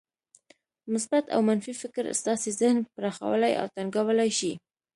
مثبت او منفي فکر ستاسې ذهن پراخولای او تنګولای شي.